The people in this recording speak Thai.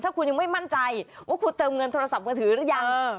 ถ้าคุณยังไม่มั่นใจว่าคุณเติมเงินโทรศัพท์มือถือหรือยัง